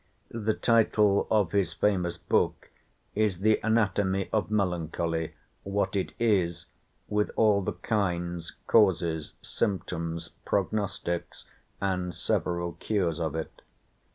The title of his famous book is 'The Anatomy of Melancholy. What It Is, with All the Kinds, Causes, Symptoms, Prognostics, and several Cures of it.